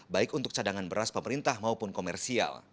baik untuk cadangan beras pemerintah maupun komersial